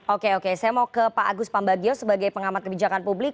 oke oke saya mau ke pak agus pambagio sebagai pengamat kebijakan publik